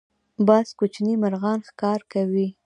باز کوچني مرغان ښکار کوي